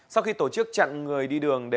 sau khi tổ chức chặn người đi đường